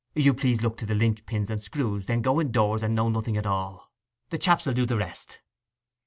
'You please look to the linch pins and screws; then go indoors and know nothing at all. The chaps will do the rest.